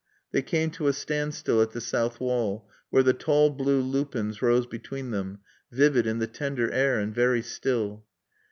They came to a standstill at the south wall where the tall blue lupins rose between them, vivid in the tender air and very still.